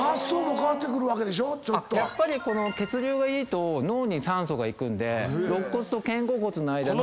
やっぱり血流がいいと脳に酸素が行くんで肋骨と肩甲骨の間の。